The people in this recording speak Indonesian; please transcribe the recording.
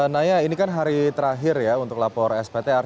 naya ini kan hari terakhir ya untuk lapor sptr